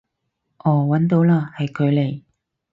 哦搵到嘞，係佢嚟